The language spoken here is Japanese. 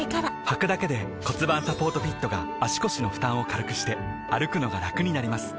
はくだけで骨盤サポートフィットが腰の負担を軽くして歩くのがラクになります